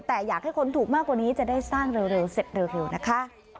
แต่อยากให้คนถูกมากกว่านี้จะได้สร้างเร็วเสร็จเร็วนะคะ